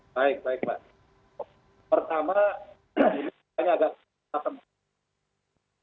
baik baik mbak pertama saya agak takut